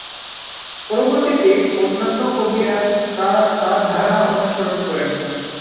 পরবর্তীতে অন্যান্য কবিরা তার ধারা অনুসরণ করেন।